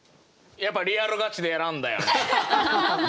やっぱリアルガチで選んだよね。